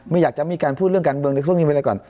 ไม่อยากมีการพูดเรื่องการเบื้องเด็กตรงนี้ไปละก่อน